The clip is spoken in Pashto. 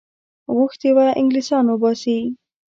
غوښتي وه انګلیسیان وباسي.